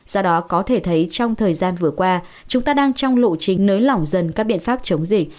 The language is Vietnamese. do đó có thể thấy trong thời gian vừa qua chúng ta đang trong lộ trình nới lỏng dần các biện pháp chống dịch